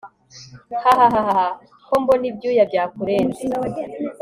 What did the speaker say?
hahahaha, ko mbona ibyuya byakurenze